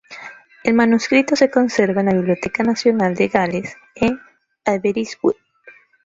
El manuscrito se conserva en la Biblioteca Nacional de Gales, en Aberystwyth.